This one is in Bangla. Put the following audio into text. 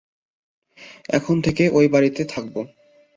এখন থেকে ঐ বাড়িতে থাকব!